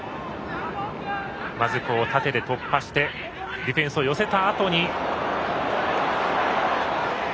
まず、縦で突破してディフェンスを寄せたあと。